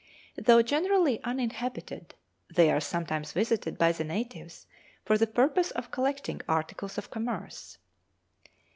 Though generally uninhabited, they are sometimes visited by the natives for the purpose of collecting articles of commerce.